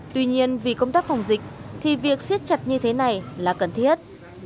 tuy nhiên vì công tác phòng dịch thì việc siết chặt như thế này là cần thiết